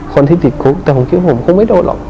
คนที่ติดคุกแต่ผมชื่อผมคงไม่โดนหรอก